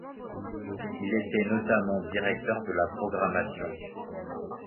Il était notamment directeur de la programmation.